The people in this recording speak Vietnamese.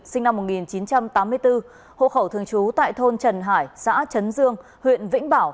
sinh năm một nghìn chín trăm tám mươi bốn hộ khẩu thường trú tại thôn trần hải xã chấn dương huyện vĩnh bảo